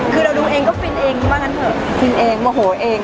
คือเรารู้เองก็ฟินเองจริงมากันต้อง